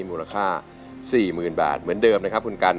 มูลค่า๔๐๐๐บาทเหมือนเดิมนะครับคุณกัน